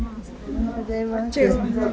おはようございます。